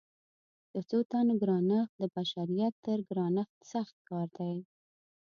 د څو تنو ګرانښت د بشریت تر ګرانښت سخت کار دی.